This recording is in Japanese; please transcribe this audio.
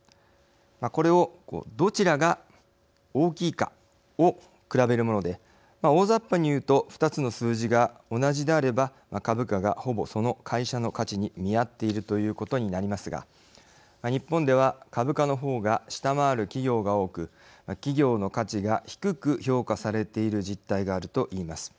これをどちらが大きいかを比べるもので大ざっぱに言うと２つの数字が同じであれば株価がほぼその会社の価値に見合っているということになりますが日本では株価の方が下回る企業が多く企業の価値が低く評価されている実態があると言います。